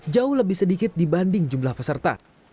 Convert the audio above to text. jauh lebih sedikit dibanding jumlah peserta